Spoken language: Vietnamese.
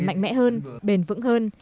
được tốt hơn